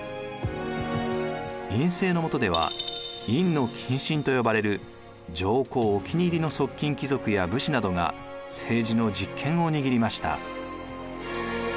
院政のもとでは院近臣と呼ばれる上皇お気に入りの側近貴族や武士などが政治の実権を握りました。